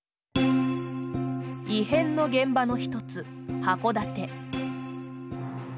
異変の現場の一つ函館。